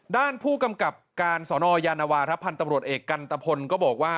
ด้านผู้กำกับการสนยานวาครับพันธ์ตำรวจเอกกันตะพลก็บอกว่า